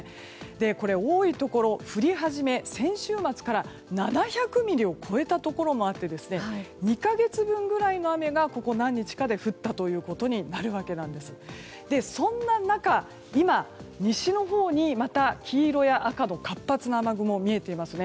これ、多いところ降り始め、先週末から７００ミリを超えたところもあって２か月分ぐらいの雨がここ何日かでそんな中、今西のほうに黄色や赤の活発な雨雲が見えていますね。